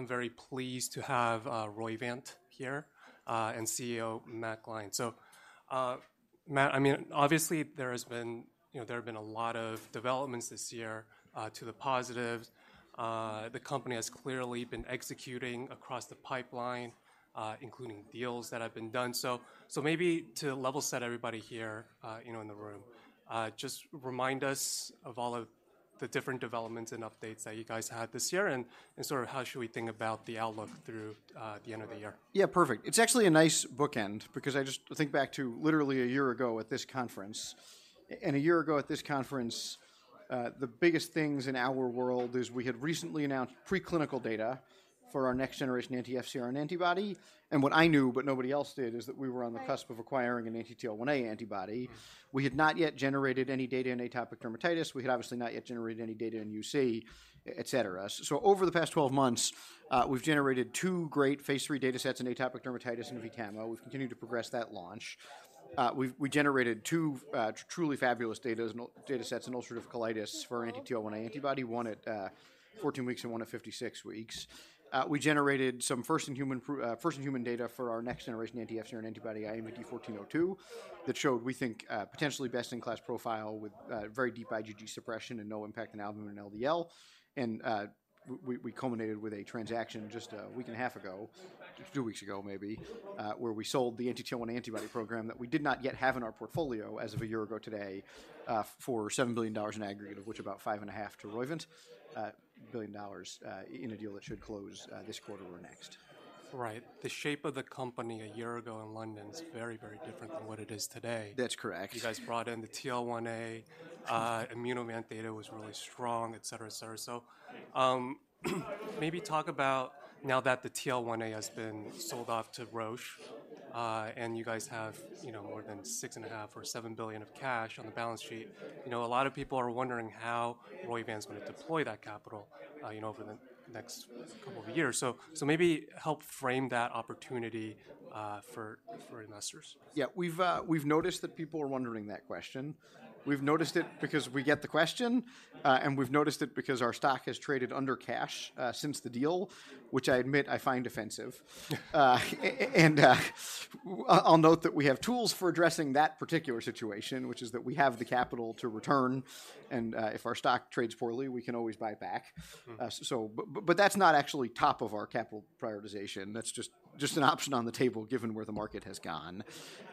I'm very pleased to have, Roivant here, and CEO Matt Gline. So, Matt, I mean, obviously, there has been, you know, there have been a lot of developments this year, to the positive. The company has clearly been executing across the pipeline, including deals that have been done. So, so maybe to level set everybody here, you know, in the room, just remind us of all of the different developments and updates that you guys had this year, and, and sort of how should we think about the outlook through, the end of the year? Yeah, perfect. It's actually a nice bookend because I just think back to literally a year ago at this conference, and a year ago at this conference, the biggest things in our world is we had recently announced preclinical data for our next-generation anti-FcRn antibody, and what I knew, but nobody else did, is that we were on the cusp of acquiring an anti-TL1A antibody. We had not yet generated any data in atopic dermatitis. We had obviously not yet generated any data in UC, et cetera. So over the past 12 months, we've generated 2 great phase III datasets in atopic dermatitis in VTAMA. We've continued to progress that launch. We've generated 2 truly fabulous datasets in ulcerative colitis for our anti-TL1A antibody, one at 14 weeks and one at 56 weeks. We generated some first in human data for our next-generation anti-FcRn antibody, IMVT-1402, that showed, we think, potentially best-in-class profile with very deep IgG suppression and no impact on albumin and LDL. We culminated with a transaction just a week and a half ago, two weeks ago, maybe, where we sold the anti-TL1A antibody program that we did not yet have in our portfolio as of a year ago today for $7 billion in aggregate, of which about $5.5 billion to Roivant, in a deal that should close this quarter or next. Right. The shape of the company a year ago in London is very, very different than what it is today. That's correct. You guys brought in the TL1A. Immunovant data was really strong, et cetera, et cetera. So, maybe talk about now that the TL1A has been sold off to Roche, and you guys have, you know, more than $6.5 billion or $7 billion of cash on the balance sheet, you know, a lot of people are wondering how Roivant's going to deploy that capital, you know, over the next couple of years. So, maybe help frame that opportunity, for investors. Yeah, we've noticed that people are wondering that question. We've noticed it because we get the question, and we've noticed it because our stock has traded under cash since the deal, which I admit I find offensive. And I'll note that we have tools for addressing that particular situation, which is that we have the capital to return, and if our stock trades poorly, we can always buy back. So, but that's not actually top of our capital prioritization. That's just an option on the table, given where the market has gone.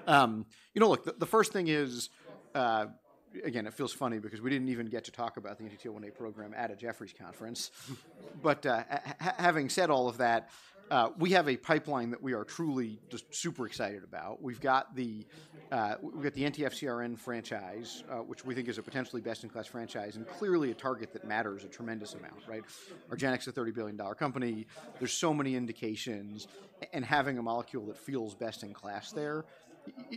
You know, look, the first thing is. Again, it feels funny because we didn't even get to talk about the anti-TL1A program at a Jefferies conference. But, having said all of that, we have a pipeline that we are truly just super excited about. We've got the anti-FcRn franchise, which we think is a potentially best-in-class franchise and clearly a target that matters a tremendous amount, right? argenx is a $30 billion company. There's so many indications, and having a molecule that feels best in class there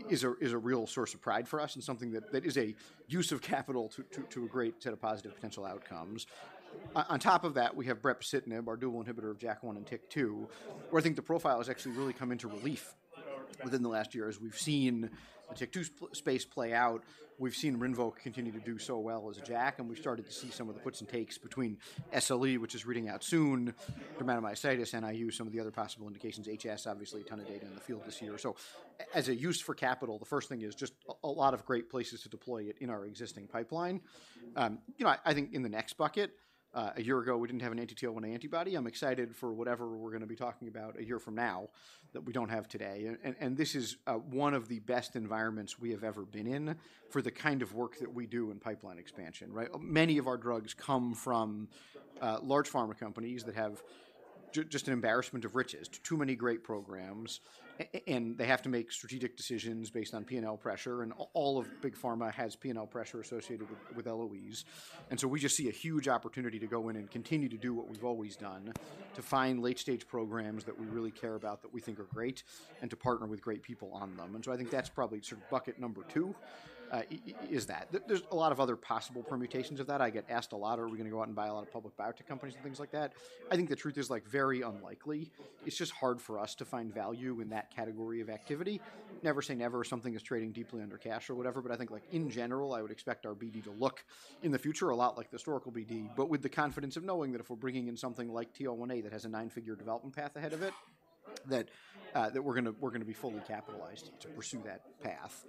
is a real source of pride for us and something that is a use of capital to a great set of positive potential outcomes. On top of that, we have brepocitinib, our dual inhibitor of JAK1 and TYK2, where I think the profile has actually really come into relief within the last year. As we've seen the TYK2 space play out, we've seen RINVOQ continue to do so well as a JAK, and we've started to see some of the puts and takes between SLE, which is reading out soon, dermatomyositis, NIU, some of the other possible indications, HS, obviously a ton of data in the field this year. So as a use for capital, the first thing is just a lot of great places to deploy it in our existing pipeline. You know, I think in the next bucket, a year ago, we didn't have an anti-TL1A antibody. I'm excited for whatever we're gonna be talking about a year from now that we don't have today. And this is one of the best environments we have ever been in for the kind of work that we do in pipeline expansion, right? Many of our drugs come from large pharma companies that have just an embarrassment of riches, too many great programs, and they have to make strategic decisions based on P&L pressure, and all of big pharma has P&L pressure associated with LOEs. And so we just see a huge opportunity to go in and continue to do what we've always done, to find late-stage programs that we really care about, that we think are great, and to partner with great people on them. And so I think that's probably sort of bucket number two, is that. There's a lot of other possible permutations of that. I get asked a lot, "Are we gonna go out and buy a lot of public biotech companies?" and things like that. I think the truth is, like, very unlikely. It's just hard for us to find value in that category of activity. Never say never if something is trading deeply under cash or whatever, but I think, like, in general, I would expect our BD to look in the future a lot like the historical BD, but with the confidence of knowing that if we're bringing in something like TL1A that has a nine-figure development path ahead of it, that we're gonna be fully capitalized to pursue that path.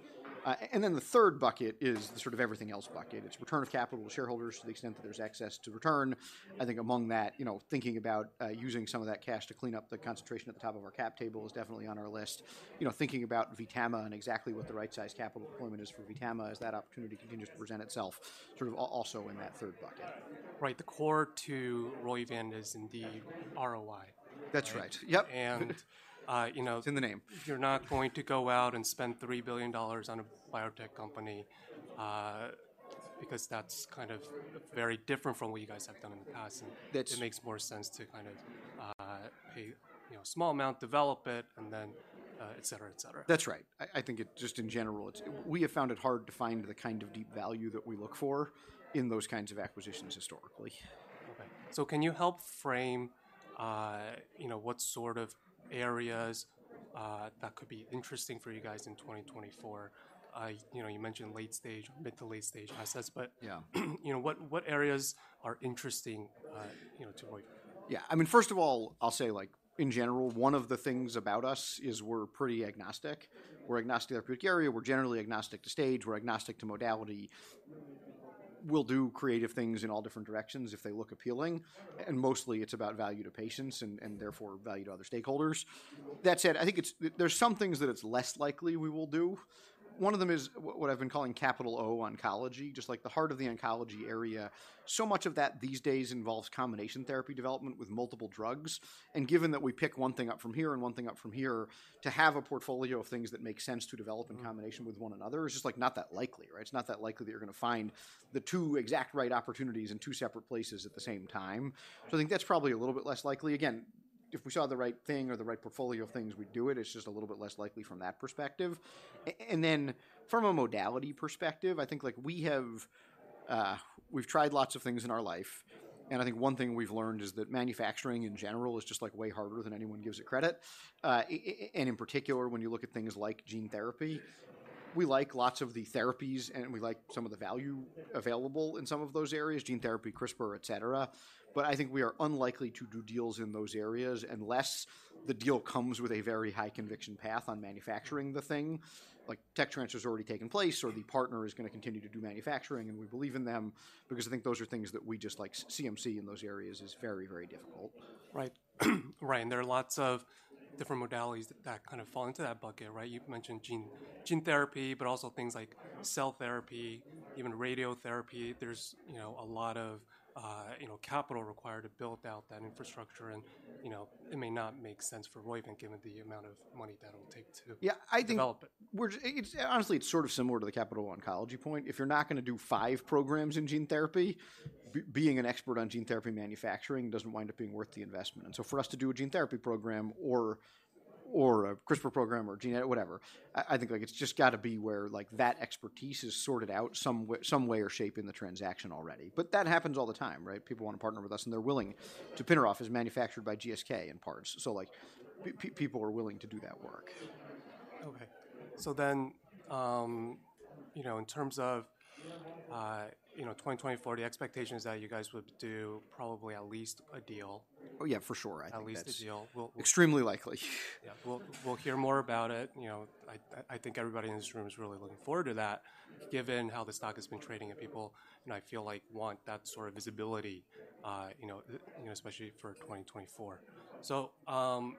And then the third bucket is the sort of everything else bucket. It's return of capital to shareholders to the extent that there's access to return. I think among that, you know, thinking about, using some of that cash to clean up the concentration at the top of our cap table is definitely on our list. You know, thinking about VTAMA and exactly what the right size capital deployment is for VTAMA as that opportunity continues to present itself, sort of also in that third bucket. Right. The core to Roivant is in the ROI. That's right. Yep. You know. It's in the name. You're not going to go out and spend $3 billion on a biotech company, because that's kind of very different from what you guys have done in the past, and. That's. It makes more sense to kind of pay, you know, a small amount, develop it, and then et cetera, et cetera. That's right. I think it. Just in general, it's we have found it hard to find the kind of deep value that we look for in those kinds of acquisitions historically. Okay. So can you help frame, you know, what sort of areas that could be interesting for you guys in 2024? You know, you mentioned late-stage, mid- to late-stage assets, but, you know, what, what areas are interesting, you know, to Roivant? Yeah. I mean, first of all, I'll say, like, in general, one of the things about us is we're pretty agnostic. We're agnostic to the therapeutic area, we're generally agnostic to stage, we're agnostic to modality. We'll do creative things in all different directions if they look appealing, and mostly it's about value to patients and, and therefore, value to other stakeholders. That said, I think it's—there's some things that it's less likely we will do. One of them is what, what I've been calling capital O, oncology, just like the heart of the oncology area. So much of that these days involves combination therapy development with multiple drugs, and given that we pick one thing up from here and one thing up from there, to have a portfolio of things that make sense to develop in combination with one another is just, like, not that likely, right? It's not that likely that you're going to find the two exact right opportunities in two separate places at the same time. Right. So I think that's probably a little bit less likely. Again, if we saw the right thing or the right portfolio of things, we'd do it. It's just a little bit less likely from that perspective. And then from a modality perspective, I think, like, we've tried lots of things in our life, and I think one thing we've learned is that manufacturing, in general, is just, like, way harder than anyone gives it credit. And in particular, when you look at things like gene therapy, we like lots of the therapies, and we like some of the value available in some of those areas, gene therapy, CRISPR, et cetera. But I think we are unlikely to do deals in those areas unless the deal comes with a very high conviction path on manufacturing the thing, like tech transfer has already taken place, or the partner is going to continue to do manufacturing, and we believe in them because I think those are things that we just like, CMC in those areas is very, very difficult. Right. Right, and there are lots of different modalities that kind of fall into that bucket, right? You've mentioned gene, gene therapy, but also things like cell therapy, even radiotherapy. There's, you know, a lot of, you know, capital required to build out that infrastructure and, you know, it may not make sense for Roivant, given the amount of money that it will take to- Yeah, I think. Develop it. It's, honestly, it's sort of similar to the capital oncology point. If you're not going to do five programs in gene therapy, being an expert on gene therapy manufacturing doesn't wind up being worth the investment, and so for us to do a gene therapy program or a CRISPR program or gene, whatever, I think, like, it's just got to be where, like, that expertise is sorted out some way or shape in the transaction already. But that happens all the time, right? People want to partner with us, and they're willing to spin off as manufactured by GSK in parts. So, like, people are willing to do that work. Okay. So then, you know, in terms of, you know, 2024, the expectation is that you guys would do probably at least a deal. Oh, yeah, for sure. I think that's. At least a deal. We'll. extremely likely. Yeah. We'll hear more about it. You know, I think everybody in this room is really looking forward to that, given how the stock has been trading and people, you know, I feel like want that sort of visibility, you know, especially for 2024. So,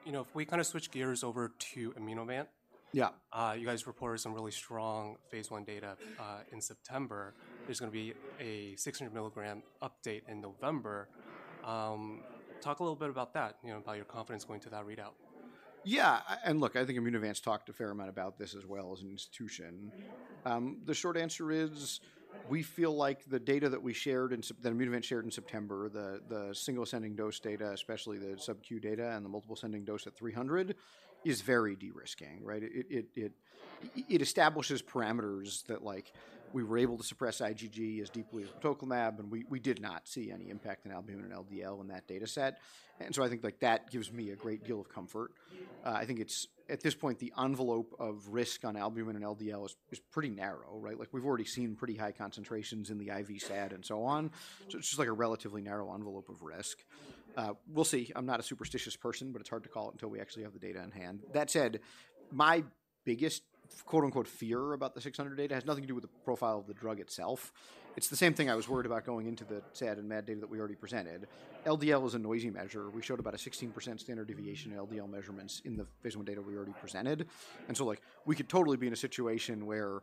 you know, if we kind of switch gears over to Immunovant. You guys reported some really strong phase I data in September. There's going to be a 600 mg update in November. Talk a little bit about that, you know, about your confidence going to that readout? Yeah, and look, I think Immunovant's talked a fair amount about this as well as an institution. The short answer is we feel like the data that we shared in Sep- that Immunovant shared in September, the single ascending dose data, especially the subQ data and the multiple ascending dose at 300, is very de-risking, right? It establishes parameters that, like, we were able to suppress IgG as deeply as tocilizumab, and we did not see any impact in albumin and LDL in that data set, and so I think, like, that gives me a great deal of comfort. I think it's, at this point, the envelope of risk on albumin and LDL is pretty narrow, right? Like, we've already seen pretty high concentrations in the IV SAD and so on, so it's just, like, a relatively narrow envelope of risk. We'll see. I'm not a superstitious person, but it's hard to call it until we actually have the data on hand. That said, my biggest, quote-unquote, "fear" about the 600 data has nothing to do with the profile of the drug itself. It's the same thing I was worried about going into the SAD and MAD data that we already presented. LDL is a noisy measure. We showed about a 16% standard deviation in LDL measurements in the phase I data we already presented, and so, like, we could totally be in a situation where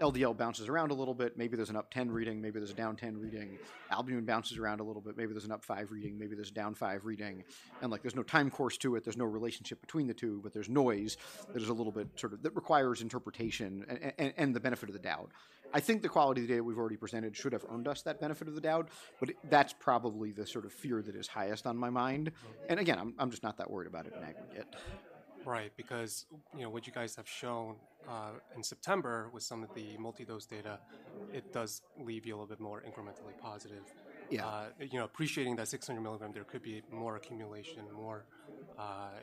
LDL bounces around a little bit. Maybe there's an up 10 reading, maybe there's a down 10 reading. Albumin bounces around a little bit. Maybe there's an up five reading, maybe there's a down five reading, and, like, there's no time course to it. There's no relationship between the two, but there's noise. There's a little bit, sort of, that requires interpretation and the benefit of the doubt. I think the quality of the data we've already presented should have earned us that benefit of the doubt, but that's probably the sort of fear that is highest on my mind, and again, I'm just not that worried about it in aggregate. Right, because, you know, what you guys have shown in September with some of the multi-dose data, it does leave you a little bit more incrementally positive, you know, appreciating that 600 mg, there could be more accumulation, more,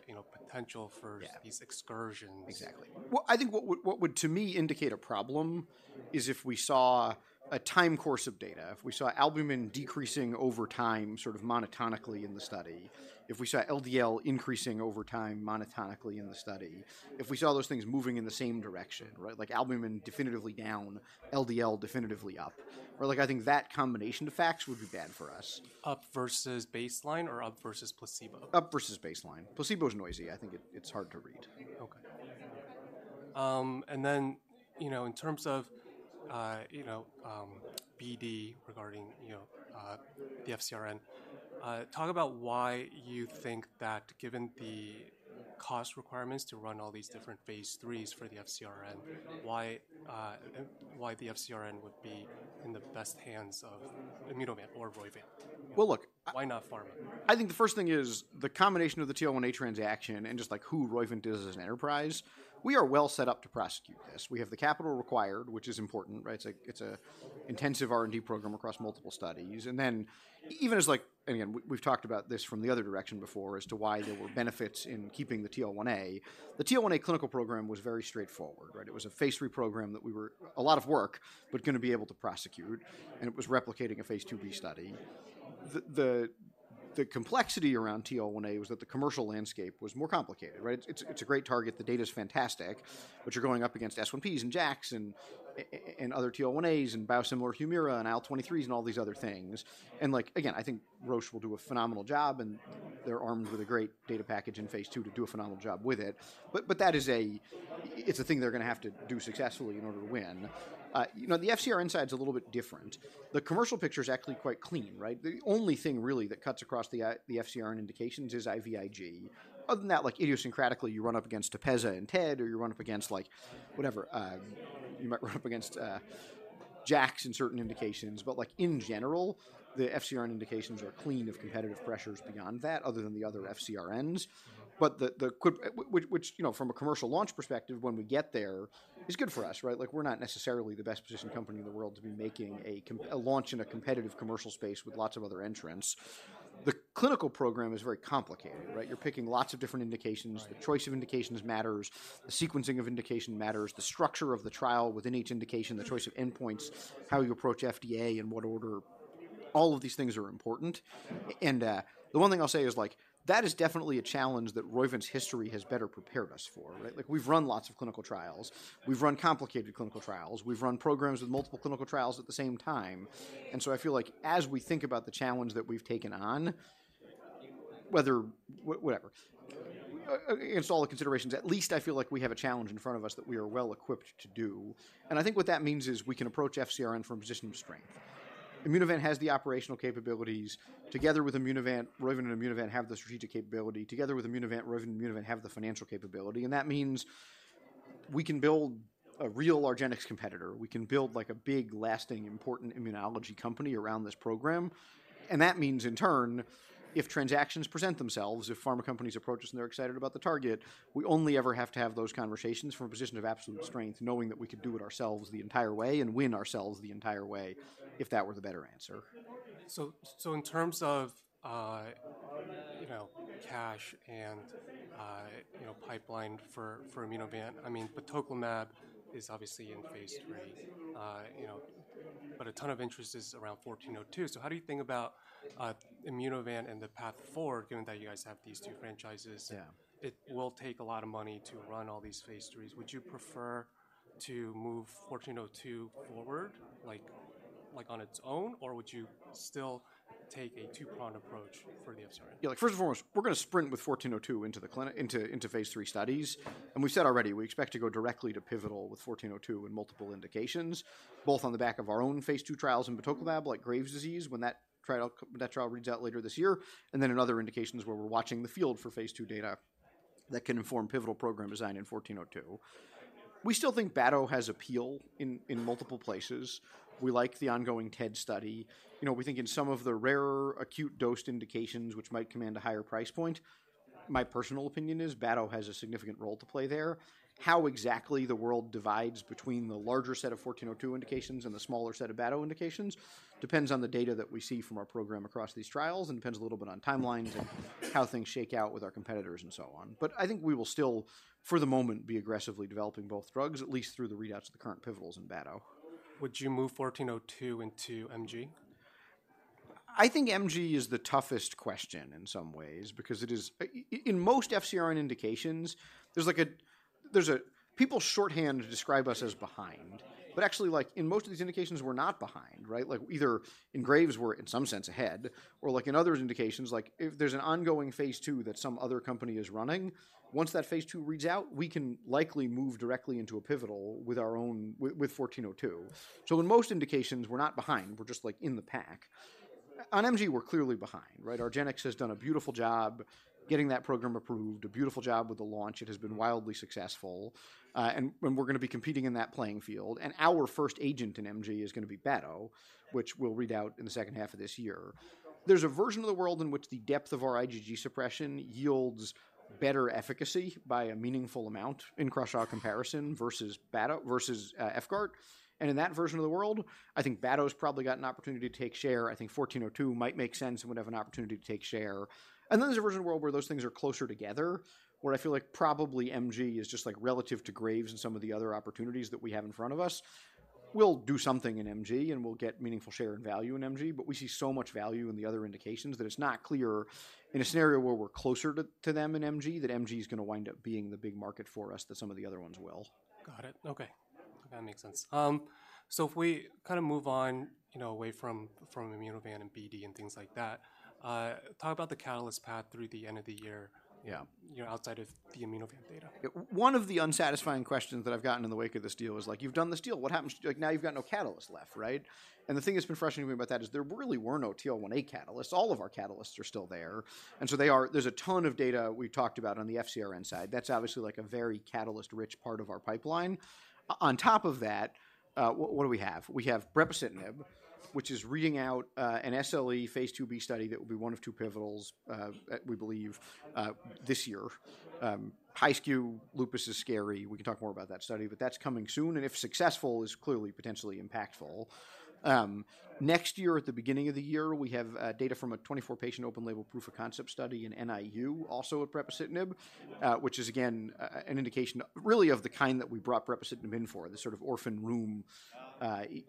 you know, potential for these excursions. Exactly. Well, I think what would, to me, indicate a problem is if we saw a time course of data, if we saw albumin decreasing over time, sort of monotonically in the study, if we saw LDL increasing over time monotonically in the study, if we saw those things moving in the same direction, right? Like albumin definitively down, LDL definitively up, or, like, I think that combination of facts would be bad for us. Up versus baseline or up versus placebo? Up versus baseline. Placebo is noisy. I think it, it's hard to read. Okay. And then, you know, in terms of BD regarding, you know, the FcRn, talk about why you think that, given the cost requirements to run all these different phase IIIs for the FcRn, why the FcRn would be in the best hands of Immunovant or Roivant? Well, look. Why not pharma? I think the first thing is, the combination of the TL1A transaction and just what Roivant does as an enterprise, we are well set up to prosecute this. We have the capital required, which is important, right? It's an intensive R&D program across multiple studies. And then, even as like, again, we've talked about this from the other direction before as to why there were benefits in keeping the TL1A. The TL1A clinical program was very straightforward, right? It was a phase III program that we were a lot of work, but gonna be able to prosecute, and it was replicating a phase IIb study. The complexity around TL1A was that the commercial landscape was more complicated, right? It's a great target. The data's fantastic, but you're going up against S1Ps and JAKs and and other TL1As and biosimilar HUMIRA and IL-23s and all these other things. And like, again, I think Roche will do a phenomenal job, and they're armed with a great data package in phase II to do a phenomenal job with it. But that is a thing they're gonna have to do successfully in order to win. You know, the FcRn side's a little bit different. The commercial picture is actually quite clean, right? The only thing really that cuts across the FcRn indications is IVIG. Other than that, like, idiosyncratically, you run up against TEPEZZA and TED, or you run up against like, whatever, you might run up against JAKs in certain indications. But like, in general, the FcRn indications are clean of competitive pressures beyond that, other than the other FcRns. But which, which, you know, from a commercial launch perspective, when we get there, is good for us, right? Like, we're not necessarily the best-positioned company in the world to be making a launch in a competitive commercial space with lots of other entrants. The clinical program is very complicated, right? You're picking lots of different indications. The choice of indications matters, the sequencing of indication matters, the structure of the trial within each indication, the choice of endpoints, how you approach FDA, in what order. All of these things are important, and the one thing I'll say is like, that is definitely a challenge that Roivant's history has better prepared us for, right? Like, we've run lots of clinical trials. We've run complicated clinical trials. We've run programs with multiple clinical trials at the same time, and so I feel like as we think about the challenge that we've taken on, against all the considerations, at least I feel like we have a challenge in front of us that we are well equipped to do, and I think what that means is we can approach FcRn from a position of strength. Immunovant has the operational capabilities. Together with Immunovant, Roivant and Immunovant have the strategic capability. Together with Immunovant, Roivant and Immunovant have the financial capability, and that means we can build a real argenx competitor. We can build, like, a big, lasting, important immunology company around this program, and that means, in turn, if transactions present themselves, if pharma companies approach us and they're excited about the target, we only ever have to have those conversations from a position of absolute strength, knowing that we could do it ourselves the entire way and win ourselves the entire way, if that were the better answer. So, in terms of, you know, cash and, you know, pipeline for Immunovant, I mean, batoclimab is obviously in phase III. You know, but a ton of interest is around IMVT-1402. So how do you think about Immunovant and the path forward, given that you guys have these two franchises? It will take a lot of money to run all these phase IIIs. Would you prefer to move 1402 forward, like, on its own, or would you still take a two-pronged approach for the FcRn? Yeah, like, first and foremost, we're gonna sprint with 1402 into the clinic, into phase III studies, and we've said already we expect to go directly to pivotal with 1402 in multiple indications, both on the back of our own phase II trials in batoclimab, like Graves' disease, when that trial reads out later this year, and then in other indications where we're watching the field for phase II data that can inform pivotal program design in 1402. We still think Bato has appeal in multiple places. We like the ongoing TED study. You know, we think in some of the rarer acute-dosed indications which might command a higher price point, my personal opinion is Bato has a significant role to play there. How exactly the world divides between the larger set of 1402 indications and the smaller set of Bato indications, depends on the data that we see from our program across these trials and depends a little bit on timelines and how things shake out with our competitors and so on. But I think we will still, for the moment, be aggressively developing both drugs, at least through the readouts of the current pivotals in Bato. Would you move 1402 into MG? I think MG is the toughest question in some ways, because it is, in most FcRn indications, there's like people shorthand describe us as behind, but actually, like, in most of these indications, we're not behind, right? Like, either in Graves', we're in some sense ahead, or like in other indications, like if there's an ongoing phase II that some other company is running, once that phase II reads out, we can likely move directly into a pivotal with our own, with, with 1402. So in most indications, we're not behind. We're just, like, in the pack. On MG, we're clearly behind, right? argenx has done a beautiful job getting that program approved, a beautiful job with the launch. It has been wildly successful, and we're gonna be competing in that playing field, and our first agent in MG is gonna be Bato, which we'll read out in the second half of this year. There's a version of the world in which the depth of our IgG suppression yields better efficacy by a meaningful amount in cross-arm comparison versus Bato versus VYVGART. And in that version of the world, I think Bato's probably got an opportunity to take share. I think 1402 might make sense and would have an opportunity to take share. And then there's a version of world where those things are closer together, where I feel like probably MG is just, like, relative to Graves and some of the other opportunities that we have in front of us. We'll do something in MG, and we'll get meaningful share and value in MG, but we see so much value in the other indications that it's not clear, in a scenario where we're closer to, to them in MG, that MG is gonna wind up being the big market for us, that some of the other ones will. Got it. Okay. That makes sense. So if we kind of move on, you know, away from, from Immunovant and Bato and things like that, talk about the catalyst path through the end of the year, you know, outside of the Immunovant data. One of the unsatisfying questions that I've gotten in the wake of this deal is like: "You've done this deal. What happens- like, now you've got no catalyst left, right?" And the thing that's been frustrating me about that is there really were no TL1A catalysts. All of our catalysts are still there, and so they are- there's a ton of data we talked about on the FcRn side. That's obviously, like, a very catalyst-rich part of our pipeline. On top of that, what do we have? We have brepocitinib, which is reading out an SLE phase IIb study that will be one of two pivotals that we believe this year. High SRI lupus is scary. We can talk more about that study, but that's coming soon, and if successful, is clearly potentially impactful. Next year, at the beginning of the year, we have data from a 24-patient open-label proof-of-concept study in NIU, also brepocitinib, which is again, an indication really of the kind that we brought brepocitinib in for, the sort of orphan realm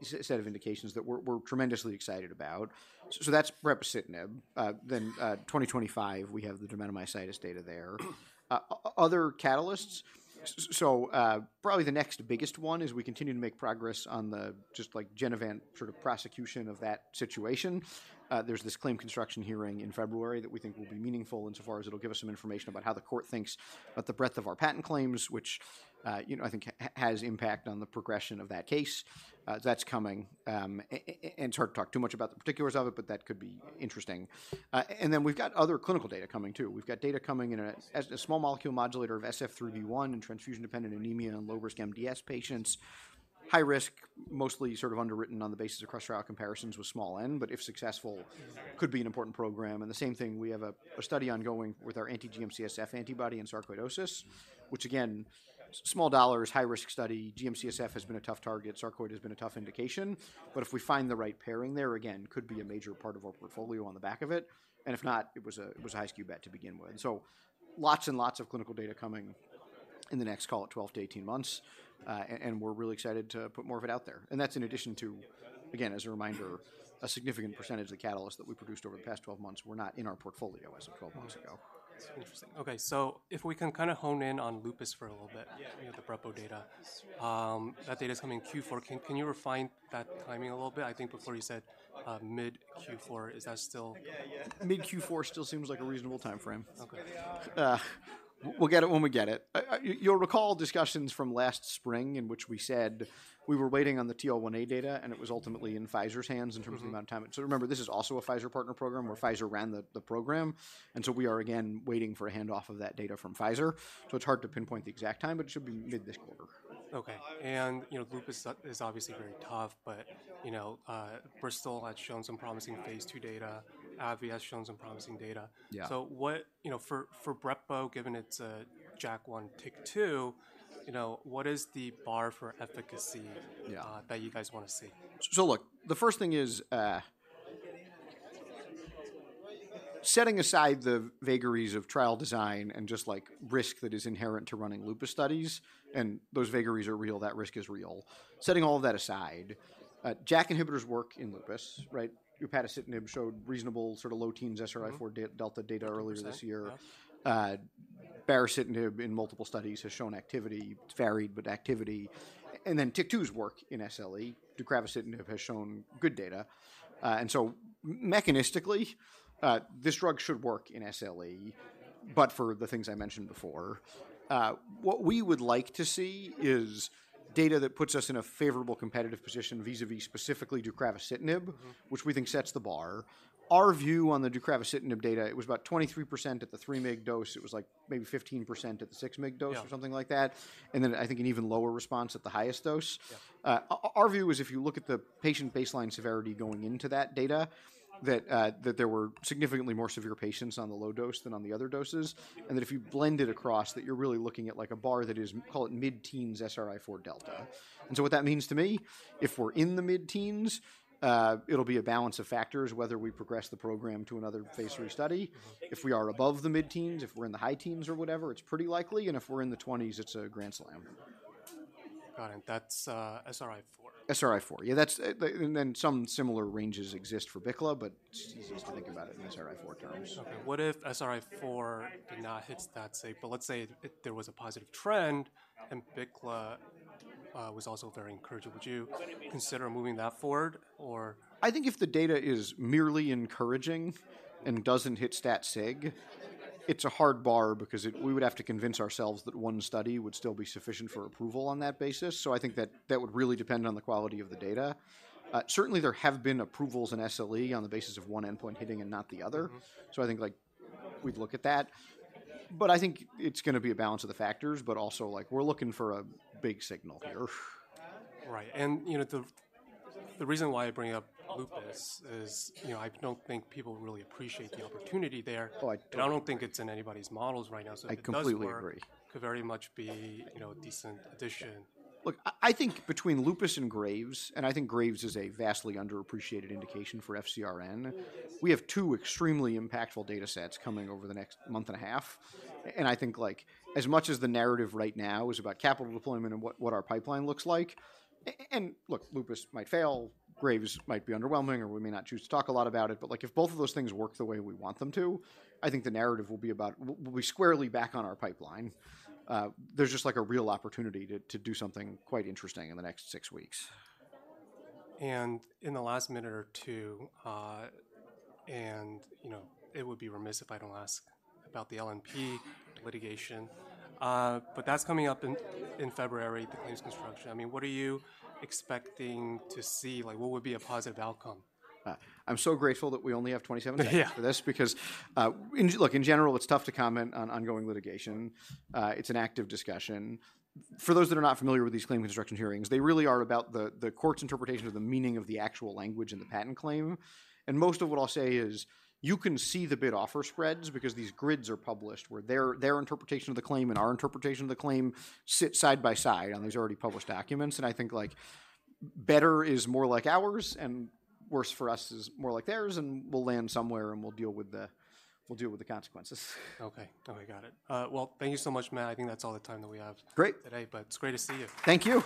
set of indications that we're tremendously excited about. So that's brepocitinib. Then, 2025, we have the dermatomyositis data there. Other catalysts, so, probably the next biggest one is we continue to make progress on the just like Genevant sort of prosecution of that situation. There's this claim construction hearing in February that we think will be meaningful insofar as it'll give us some information about how the court thinks about the breadth of our patent claims, which, you know, I think has impact on the progression of that case. That's coming, and it's hard to talk too much about the particulars of it, but that could be interesting. And then we've got other clinical data coming, too. We've got data coming in as a small molecule modulator of SF3B1 and transfusion-dependent anemia in low-risk MDS patients. High risk, mostly sort of underwritten on the basis of cross-trial comparisons with small n, but if successful, could be an important program. And the same thing, we have a study ongoing with our anti-GM-CSF antibody and sarcoidosis, which again, small dollars, high-risk study. GM-CSF has been a tough target, sarcoidosis has been a tough indication, but if we find the right pairing there, again, could be a major part of our portfolio on the back of it, and if not, it was a high skew bet to begin with. So lots and lots of clinical data coming in the next, call it 12-18 months, and we're really excited to put more of it out there, and that's in addition to, again, as a reminder, a significant percentage of the catalyst that we produced over the past 12 months were not in our portfolio as of 12 months ago. It's interesting. Okay, so if we can kind of hone in on Lupus for a little bit with the Brepo data. That data is coming in Q4. Can you refine that timing a little bit? I think before you said mid-Q4, is that still. Yeah, yeah. Mid-Q4 still seems like a reasonable time frame. Okay. We'll get it when we get it. You'll recall discussions from last spring in which we said we were waiting on the TL1A data, and it was ultimately in Pfizer's hands in terms of the amount of time. So remember, this is also a Pfizer partner program, where Pfizer ran the program, and so we are again waiting for a handoff of that data from Pfizer. So it's hard to pinpoint the exact time, but it should be mid this quarter. Okay. You know, lupus is obviously very tough, but you know, Bristol has shown some promising phase II data. AbbVie has shown some promising data. So what, you know, for Brepo, given it's a JAK1/TYK2, you know, what is the bar for efficacy? That you guys want to see? So look, the first thing is, setting aside the vagaries of trial design and just, like, risk that is inherent to running lupus studies, and those vagaries are real, that risk is real. Setting all of that aside, JAK inhibitors work in lupus, right? Upadacitinib showed reasonable sort of low teens SRI4 delta data earlier this year. Baricitinib in multiple studies has shown activity, varied, but activity, and then TYK2's work in SLE, deucravacitinib has shown good data. So mechanistically, this drug should work in SLE, but for the things I mentioned before. What we would like to see is data that puts us in a favorable competitive position, vis-à-vis specifically deucravacitinib which we think sets the bar. Our view on the deucravacitinib data, it was about 23% at the 3 mg dose. It was like maybe 15% at the 6 mg dose or something like that, and then I think an even lower response at the highest dose. Our view is if you look at the patient baseline severity going into that data, that there were significantly more severe patients on the low dose than on the other doses, and that if you blend it across, that you're really looking at like a bar that is, call it mid-teens SRI4 delta. So what that means to me, if we're in the mid-teens, it'll be a balance of factors, whether we progress the program to another phase III study. If we are above the mid-teens, if we're in the high teens or whatever, it's pretty likely, and if we're in the twenties, it's a grand slam. Got it. That's SRI4? SRI4. Yeah, that's, and then some similar ranges exist for BICLA, but it's easiest to think about it in SRI4 terms. Okay. What if SRI4 did not hit that stat, but let's say it, there was a positive trend, and BICLA was also very encouraging? Would you consider moving that forward, or? I think if the data is merely encouraging and doesn't hit stat sig, it's a hard bar because it, we would have to convince ourselves that one study would still be sufficient for approval on that basis, so I think that that would really depend on the quality of the data. Certainly, there have been approvals in SLE on the basis of one endpoint hitting and not the other. So I think, like, we'd look at that, but I think it's gonna be a balance of the factors, but also, like, we're looking for a big signal here. Right. And, you know, the reason why I bring up Lupus is, you know, I don't think people really appreciate the opportunity there. Oh, I do. But I don't think it's in anybody's models right now. I completely agree. So if it does work, could very much be, you know, a decent addition. Look, I think between lupus and Graves', and I think Graves' is a vastly underappreciated indication for FcRn, we have two extremely impactful data sets coming over the next month and a half, and I think, like, as much as the narrative right now is about capital deployment and what our pipeline looks like. And look, lupus might fail, Graves' might be underwhelming, or we may not choose to talk a lot about it, but, like, if both of those things work the way we want them to, I think the narrative will be about, we're squarely back on our pipeline. There's just, like, a real opportunity to do something quite interesting in the next six weeks. In the last minute or two, and you know, it would be remiss if I don't ask about the LNP litigation, but that's coming up in February, the claims construction. I mean, what are you expecting to see? Like, what would be a positive outcome? I'm so grateful that we only have 27 minutes for this because, look, in general, it's tough to comment on ongoing litigation. It's an active discussion. For those that are not familiar with these claim construction hearings, they really are about the court's interpretation of the meaning of the actual language in the patent claim. And most of what I'll say is you can see the bid-offer spreads because these grids are published, where their interpretation of the claim and our interpretation of the claim sit side by side on these already published documents, and I think, like, better is more like ours, and worse for us is more like theirs, and we'll land somewhere, and we'll deal with the consequences. Okay. Oh, I got it. Well, thank you so much, Matt. I think that's all the time that we have. Great. Today, but it's great to see you. Thank you.